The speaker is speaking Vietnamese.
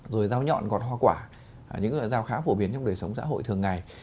rồi dao nhọn gọt hoa quả những loại dao khá phổ biến trong đời sống xã hội thường ngày